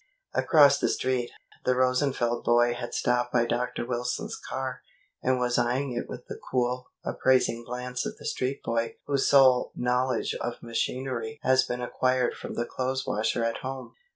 Across the Street, the Rosenfeld boy had stopped by Dr. Wilson's car, and was eyeing it with the cool, appraising glance of the street boy whose sole knowledge of machinery has been acquired from the clothes washer at home.